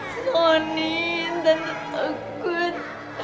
sony tante takut